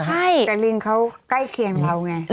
ใช่แต่ลิงเขาใกล้เคียงเราไง